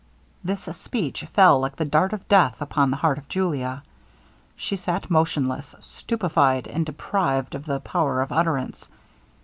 This speech fell like the dart of death upon the heart of Julia. She sat motionless stupified and deprived of the power of utterance.